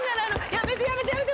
やめてやめてやめて。